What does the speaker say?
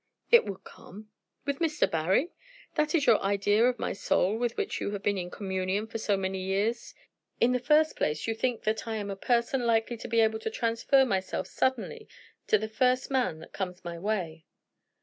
"It would come." "With Mr. Barry? That is your idea of my soul with which you have been in communion for so many years? In the first place, you think that I am a person likely to be able to transfer myself suddenly to the first man that comes my way?"